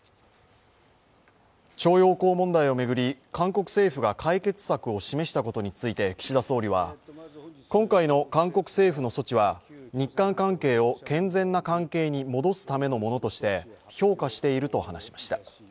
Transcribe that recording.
徴用工問題を巡り、韓国政府が解決策を示したことについて岸田総理は今回の韓国政府の措置は日韓関係を健全な関係に戻すためのものとして評価していると話しました。